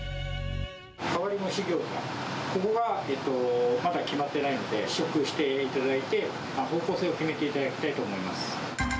変わり蒸しギョーザ、ここがまだ決まってないので、試食していただいて、方向性を決めていただきたいと思います。